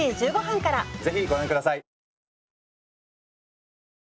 ぜひご覧下さい！